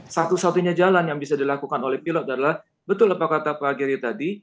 satu satunya jalan yang bisa dilakukan oleh pilot adalah betul apa kata pak geri tadi